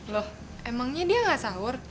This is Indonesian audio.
loh emangnya dia nggak sahur